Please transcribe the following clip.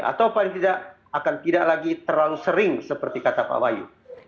atau paling tidak akan tidak lagi terlalu sering seperti kata pak wahyu